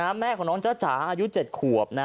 แม่ของน้องจ้าจ๋าอายุ๗ขวบนะ